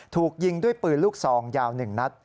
ถูกยิงด้วยปืนลูกซองยาว๑นัด